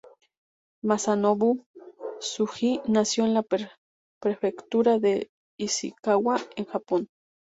Masanobu Tsuji, nació en la prefectura de Ishikawa en Japón.